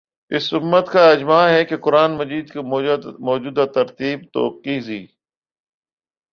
اس امت کا اجماع ہے کہ قرآن مجید کی موجودہ ترتیب توقیفی